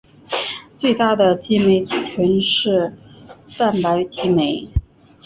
最大的激酶族群是蛋白激酶。